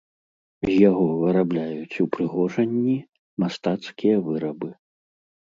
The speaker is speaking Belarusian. З яго вырабляюць упрыгожанні, мастацкія вырабы.